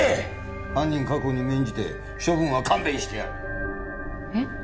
犯人確保に免じて処分は勘弁してやるえっ？